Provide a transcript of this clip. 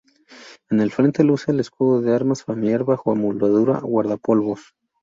En el frente luce el escudo de armas familiar bajo moldura guardapolvos.